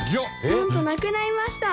なんとなくなりました！